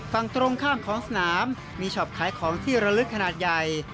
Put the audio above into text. ฝั่งตรงข้ามของสนามมีช็อปขายของที่ระลึกขนาดใหญ่